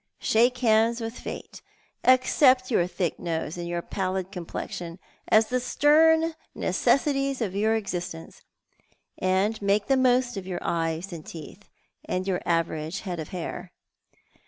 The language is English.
Shake hands with Fate ; accept your thick nose and your pallid complexion as the stern necessities of your existence, and make the most of your e}es and teeth, and your average head of hair.'